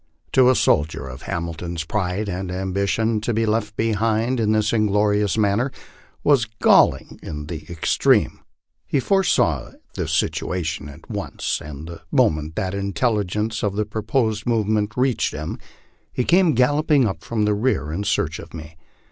To a soldier of Hamilton's pride and ambition, to be left behind in this inglorious manner was galling in the extreme. He foresaw the situation at once, and the moment that intelligence of the proposed movement reached him he came galloping up from the rear in search of me.